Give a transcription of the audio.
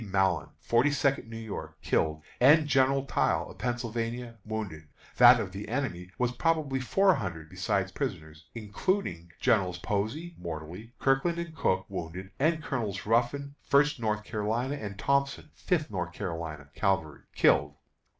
Mallon, Forty second New York, killed, and General Tile, of Pennsylvania, wounded; that of the enemy was probably four hundred (besides prisoners), including Generals Posey (mortally), Kirkland, and Cooke, wounded, and Colonels Ruffin, First North Carolina, and Thompson, Fifth North Carolina Cavalry, killed."